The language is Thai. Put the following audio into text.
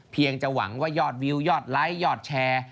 จะหวังว่ายอดวิวยอดไลค์ยอดแชร์